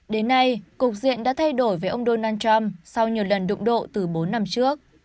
đến nay cục diện đã thay đổi với ông donald trump sau nhiều lần đụng độ từ bốn năm trước